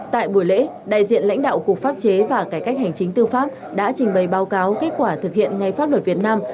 tại buổi lễ đại diện lãnh đạo cục pháp chế và cải cách hành chính tư pháp đã trình bày báo cáo kết quả thực hiện ngay pháp luật việt nam